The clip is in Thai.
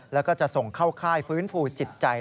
แล้วก็จะส่งเข้าค่ายฟื้นฟูจิตใจ